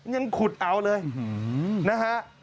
ยังขุดเอาเลยนะฮะ